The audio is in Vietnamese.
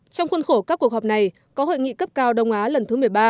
trong khuôn khổ các cuộc họp này có hội nghị cấp cao đông á lần thứ một mươi ba